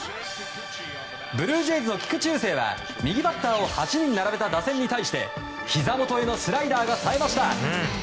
ブルージェイズの菊池雄星は右バッターを８人並べた打線に対してひざ元へのスライダーがさえました。